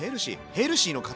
ヘルシーの塊。